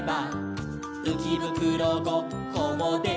「うきぶくろごっこもで・き・る」